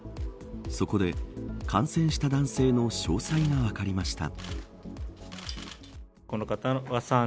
そこで、感染した男性の詳細が分かりました。